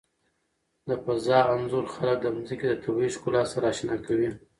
د فضا انځور خلک د ځمکې د طبیعي ښکلا سره آشنا کوي.